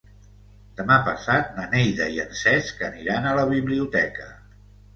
Demà passat na Neida i en Cesc aniran a la biblioteca.